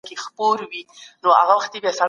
دين اخوان ته يو دکان دی چې هر څه په کې خر څيږي